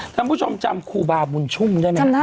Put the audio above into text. ท่านผู้ชมจำครูบาบุญชุ่มใช่ไหมจำได้ค่ะ